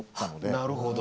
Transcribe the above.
なるほど。